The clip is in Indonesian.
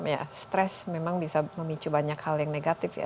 ya stres memang bisa memicu banyak hal yang negatif ya